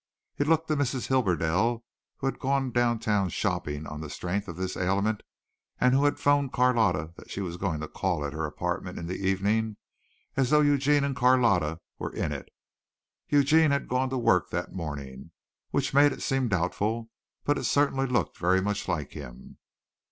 It looked to Mrs. Hibberdell, who had gone down town shopping on the strength of this ailment and who had phoned Carlotta that she was going to call at her apartment in the evening, as though Eugene and Carlotta were in it. Eugene had gone to work that morning, which made it seem doubtful, but it certainly looked very much like him.